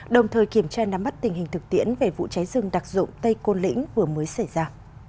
đồng thời kiểm tra nắm mắt tình hình thực tiễn về vụ cháy rừng đặc dụng tây côn lĩnh vừa mới xảy ra